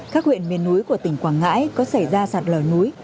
các huyện miền núi của tỉnh quảng ngãi có xảy ra sạt lở núi